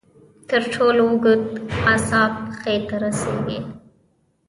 تر ټولو اوږد اعصاب پښې ته رسېږي.